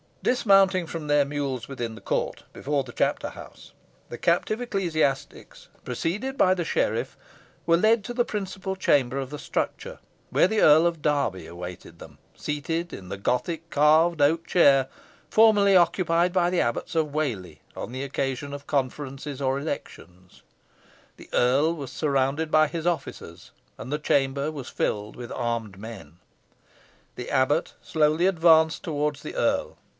Dismounting from their mules within the court, before the chapter house, the captive ecclesiastics, preceded by the sheriff were led to the principal chamber of the structure, where the Earl of Derby awaited them, seated in the Gothic carved oak chair, formerly occupied by the Abbots of Whalley on the occasions of conferences or elections. The earl was surrounded by his officers, and the chamber was filled with armed men. The abbot slowly advanced towards the earl.